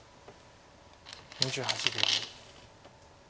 ２８秒。